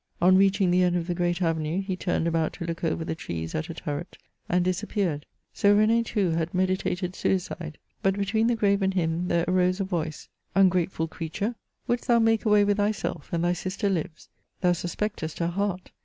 On reaching the end of the great avenue, he turned about to look over the trees at a turret, and disap peared. So R^nd, too, had meditated suicide — ^but between the grave and him there arose a voice :'* Ungrateful creature, wouldst thou make away with thyself, and thy sister lives! Thou suspectest her heart.